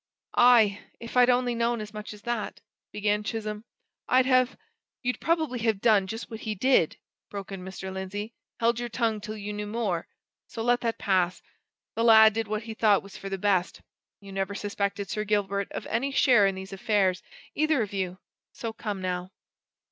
"Aye! if I'd only known as much as that," began Chisholm, "I'd have " "You'd probably have done just what he did!" broke in Mr. Lindsey "held your tongue till you knew more! so let that pass the lad did what he thought was for the best. You never suspected Sir Gilbert of any share in these affairs, either of you so come, now!"